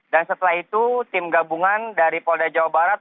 dan setelah itu tim gabungan dari polda jawa barat